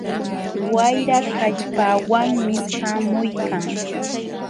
Wayra kallpawanmi ćhaamuykan.